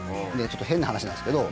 ちょっと変な話なんですけど。